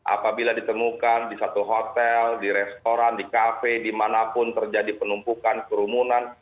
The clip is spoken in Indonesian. apabila ditemukan di satu hotel di restoran di kafe dimanapun terjadi penumpukan kerumunan